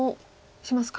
しますか。